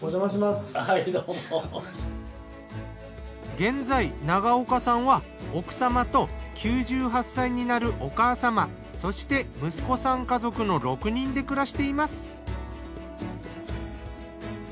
現在長岡さんは奥様と９８歳になるお母様そして息子さん家族の６人で暮らしています。